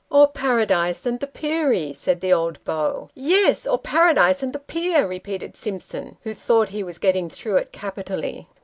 " Or Paradise and the Peri," said the old beau. " Yes ; or Paradise and the Peer," repeated Simpson, who thought he was getting through it capitally.